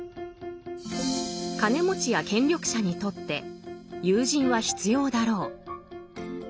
金持ちや権力者にとって友人は必要だろう。